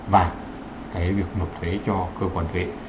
và cái việc mục thuế cho cơ quan thuế